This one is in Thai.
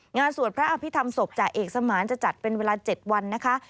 งานศวรประอภิธรรมศพจ่าเอกสมานจะจัดเป็นเวลา๗วันเดรบ์พระเสวนีนะคะ